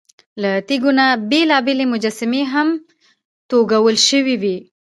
له تیږو نه بېلابېلې مجسمې هم توږل شوې وې.